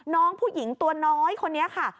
น้องผู้หญิงตัวน้อยคนนี้ค่ะ